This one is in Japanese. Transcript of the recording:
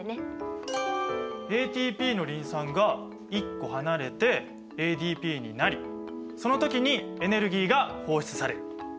ＡＴＰのリン酸が１個離れてＡＤＰになりその時にエネルギーが放出される。